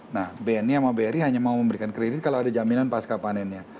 nah bni sama bri hanya mau memberikan kredit kalau ada jaminan pasca panennya